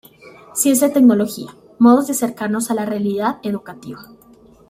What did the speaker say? Ciencia y tecnología: modos de acercarnos a la realidad educativa.